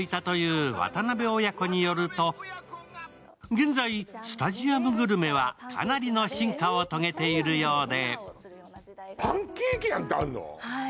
現在、スタジアムグルメはかなりの進化を遂げているようで。